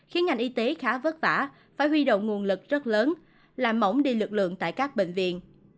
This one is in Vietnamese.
khiến ngành y tế khá vất vả phải huy động nguồn lực rất lớn làm mỏng đi lực lượng tại các bệnh viện